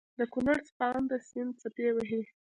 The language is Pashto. دکونړ څپانده سيند څپې وهي